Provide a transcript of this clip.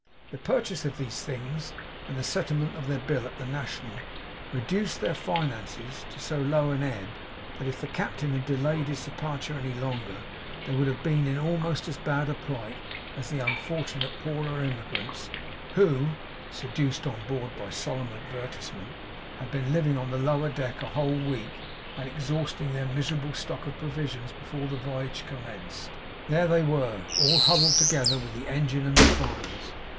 The purchase of these things, and the settlement of their bill at the National, reduced their finances to so low an ebb, that if the captain had delayed his departure any longer, they would have been in almost as bad a plight as the unfortunate poorer emigrants, who (seduced on board by solemn advertisement) had been living on the lower deck a whole week, and exhausting their miserable stock of provisions before the voyage commenced. There they were, all huddled together with the engine and the fires.